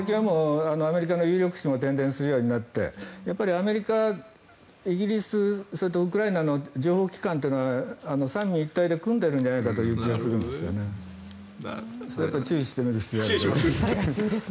アメリカの有力紙もけん伝するようになってアメリカ、イギリスそれとウクライナの情報機関というのは三位一体で組んでいるのではという気がします。